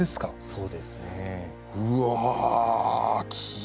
そうですね。